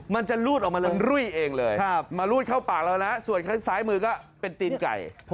มันจะรุ่นออกมาเร็วมันรุ่นรุ่นเองเลย